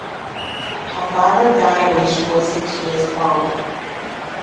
Her father died when she was six years old.